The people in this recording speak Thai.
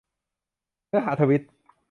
เนื้อหาทวีต